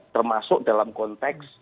termasuk dalam konteks